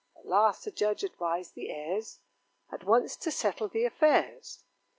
At last the judge advised the heirs At once to settle the affairs.